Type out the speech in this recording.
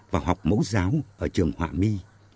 vào học mẫu giáo ở trường họa my